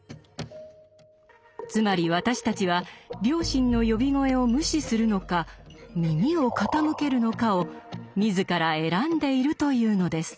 つまり私たちは「良心の呼び声」を無視するのか耳を傾けるのかを自ら選んでいるというのです。